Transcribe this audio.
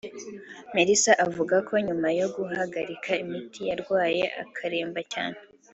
Melissa avuga ko nyuma yo guhagarika imiti yarwaye akaremba cyane